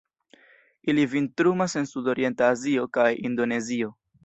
Ili vintrumas en sudorienta Azio kaj Indonezio.